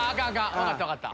分かった分かった。